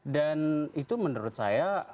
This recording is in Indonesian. dan itu menurut saya